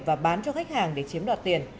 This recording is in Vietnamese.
và bán cho khách hàng để chiếm đoạt tiền